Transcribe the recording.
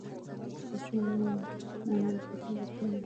ماشوم د انا لاسونه په پوره مینه ونیول.